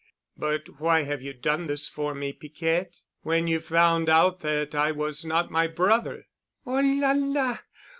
"But why have you done this for me, Piquette? When you found out that I was not my brother——" "Oh, la, la!